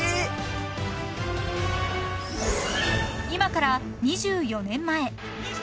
［今から２４年前］